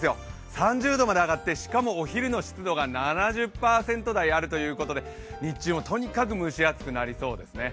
３０度まで上がって、しかもお昼の湿度が７０％台あるということで、日中とにかく蒸し暑くなりそうですね。